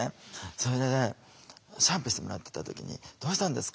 それでねシャンプーしてもらってた時に「どうしたんですか？